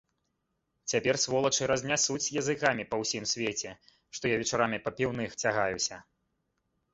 Цяпер, сволачы, разнясуць языкамі па ўсім свеце, што я вечарам па піўных цягаюся.